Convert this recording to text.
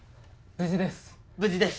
無事です！